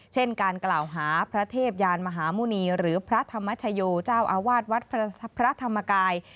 เช่นการกล่าวหาพระเทพยานมหาหมุณีหรือพระธรรมชโยเจ้าอาวาสวัดพระธรรมกาย